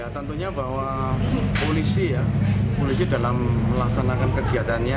tentunya bahwa polisi ya polisi dalam melaksanakan kegiatannya